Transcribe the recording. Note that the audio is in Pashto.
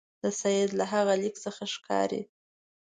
د سید له هغه لیک څخه ښکاري.